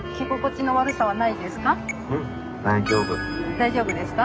大丈夫ですか？